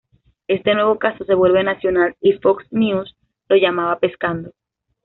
Este nuevo caso se vuelve nacional, y Fox News lo llamaba "Pescando".